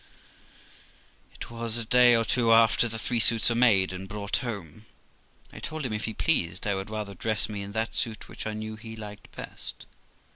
It was a day or two after the THE LIFE OF ROXANA 235 three suits were made and brought home. I told him, If he pleased, I would rather dress me in that suit which I knew he liked best.